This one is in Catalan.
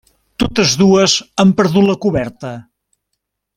Totes dues han perdut la coberta.